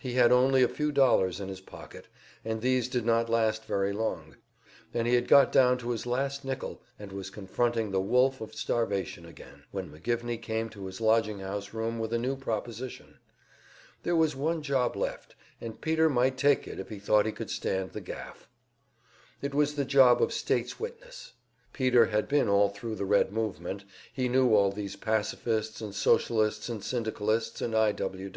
He had only a few dollars in his pocket, and these did not last very long, and he had got down to his last nickel, and was confronting the wolf of starvation again, when McGivney came to his lodging house room with a new proposition. There was one job left, and Peter might take it if he thought he could stand the gaff. It was the job of state's witness. Peter had been all thru the Red movement, he knew all these pacifists and Socialists and Syndicalists and I. W.